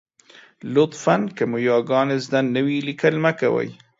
لطفاً! که مو یاګانې زده نه وي، لیکل مه کوئ.